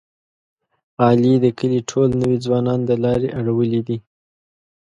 علي د کلي ټول نوی ځوانان د لارې اړولي دي.